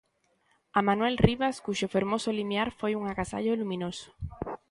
A Manuel Rivas, cuxo fermoso limiar foi un agasallo luminoso.